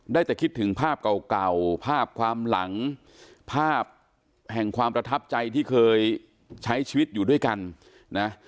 ได้แต่คิดถึงภาพเก่าภาพความหลังภาพแห่งความประทับใจที่เคยใช้ชีวิตอยู่ด้วยกันนะ